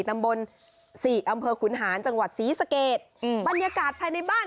ตำบลสี่อำเภอขุนหานจังหวัดศรีสะเกดอืมบรรยากาศภายในบ้าน